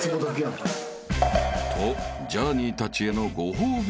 ［とジャーニーたちへのご褒美